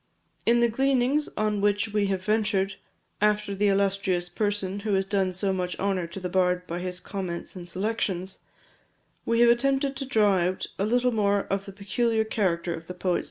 In the gleanings on which we have ventured, after the illustrious person who has done so much honour to the bard by his comments and selections, we have attempted to draw out a little more of the peculiar character of the poet's genius.